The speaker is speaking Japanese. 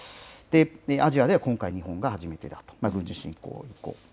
アジアでは今回、日本が初めてだと、軍事侵攻以降。